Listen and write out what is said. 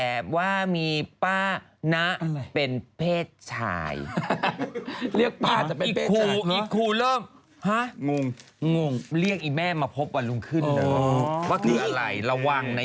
เอาอย่างนี้สิเข้า